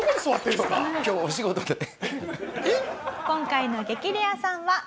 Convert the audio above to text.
今回の激レアさんは。